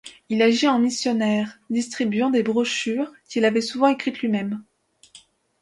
Il agit en missionnaire, distribuant des brochures qu'il avait souvent écrites lui-même.